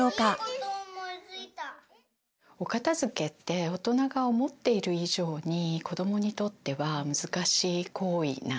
お片づけって大人が思っている以上に子どもにとっては難しい行為なんですよね。